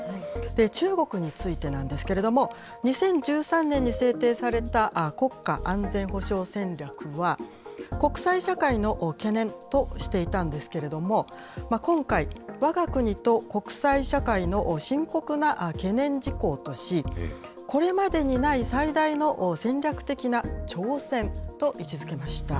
中国についてなんですけれども、２０１３年に制定された国家安全保障戦略は、国際社会の懸念としていたんですけれども、今回、わが国と国際社会の深刻な懸念事項とし、これまでにない最大の戦略的な挑戦と位置づけました。